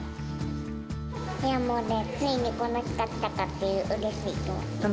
いや、もうね、ついにこの日が来たかっていう、うれしい気持ち。